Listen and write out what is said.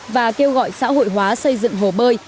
và kêu gọi xã hội hóa xây dựng hồ bơi